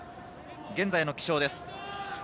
現在の気象です。